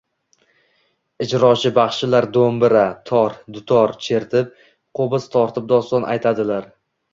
Ijrochi baxshilar do'mbira, tor, dutor chertib, qo'biz tortib doston aytadilar